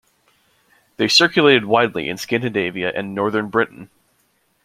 They circulated widely in Scandinavia and northern Britain.